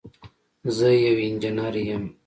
زه یو انجینر یم